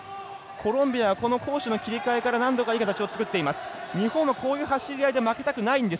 コロンビア、攻守の切り替えから何度かいい形作っています。